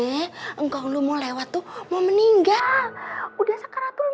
rezeki engkau lo mau lewat tuh mau meninggal udah sekar galaxy of kulit